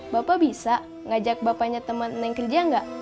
bapak bisa ngajak bapaknya temen neng kerja gak